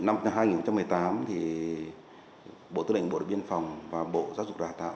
năm hai nghìn một mươi tám thì bộ tư lệnh bộ đội biên phòng và bộ giáo dục đào tạo